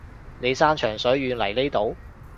你山長水遠嚟呢度